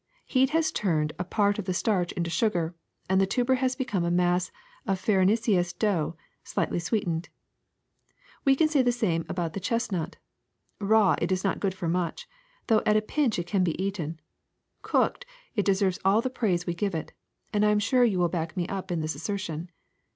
Heat has turned a part 'Of the starch into sugar, and the tuber has become a mass of farinaceous dough, slightly sweetened. We can say about the same of the chest nut. Raw it is not good for much, though at a pinch it can be eaten ; cooked, it deserves all the praise we give it, and I am sure you will back me up in this as sertion.